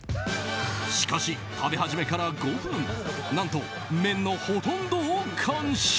しかし、食べ始めから５分何と麺のほとんどを完食！